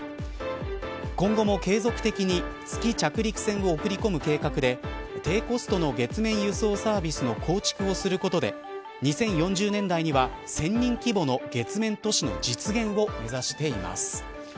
今後も継続的に月着陸船を送り込む計画で低コストの月面輸送サービスの構築をすることで２０４０年代には１０００人規模の月面都市の実現を目指しています。